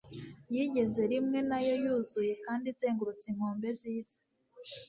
Yigeze rimwe nayo yuzuye kandi izengurutse inkombe zisi